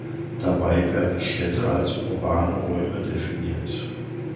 Dabei werden Städte als urbane Räume definiert.